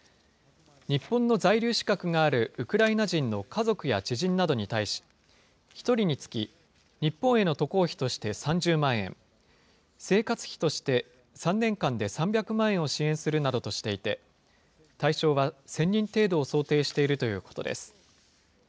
日本の在留資格があるウクライナ人の家族や知人などに対し、１人につき、日本への渡航費として３０万円、生活費として３年間で３００万円を支援するなどとしていて、対象は１０００人程度を想定しているということです。